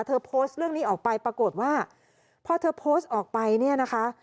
โพสต์เรื่องนี้ออกไปปรากฏว่าพอเธอโพสต์ออกไปเนี่ยนะคะ